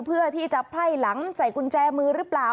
เพื่อที่จะไพ่หลังใส่กุญแจมือหรือเปล่า